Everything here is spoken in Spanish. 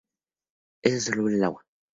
Es soluble en agua.